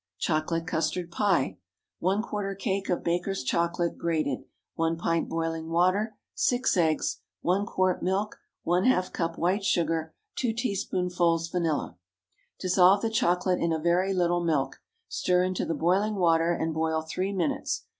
CHOCOLATE CUSTARD PIE. 1 quarter cake of Baker's chocolate, grated. 1 pint boiling water. 6 eggs. 1 quart milk. ½ cup white sugar. 2 teaspoonfuls vanilla. Dissolve the chocolate in a very little milk, stir into the boiling water, and boil three minutes.